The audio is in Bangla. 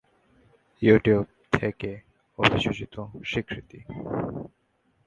ইউটিউব থেকে অভিযোজিত স্বীকৃতি।